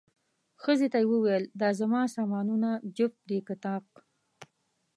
ښځې ته یې وویل، دا زما سامانونه جفت دي که طاق؟